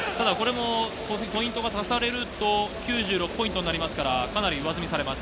ポイントがたされると９６ポイントになりますから、かなり上積みされます。